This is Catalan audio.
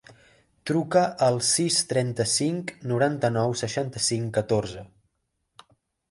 Truca al sis, trenta-cinc, noranta-nou, seixanta-cinc, catorze.